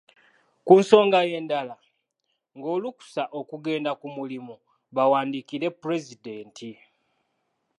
Ku nsonga endala ng'olukusa okugenda ku mulimu bawandiikire Pulezidenti.